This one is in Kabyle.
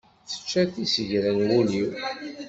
Tečča tisegra n wul-iw.